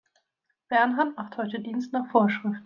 Bernhard macht heute Dienst nach Vorschrift.